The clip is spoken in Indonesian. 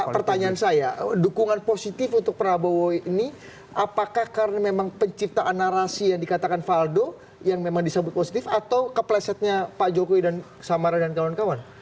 pertanyaan saya dukungan positif untuk prabowo ini apakah karena memang penciptaan narasi yang dikatakan faldo yang memang disambut positif atau keplesetnya pak jokowi dan samara dan kawan kawan